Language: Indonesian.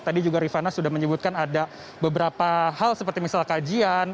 tadi juga rifana sudah menyebutkan ada beberapa hal seperti misalnya kajian